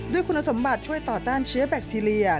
ด้วยคุณสมบัติช่วยต่อต้านเชื้อแบคทีเรีย